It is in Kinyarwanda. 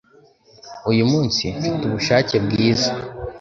Uyu munsi, mfite ubushake bwiza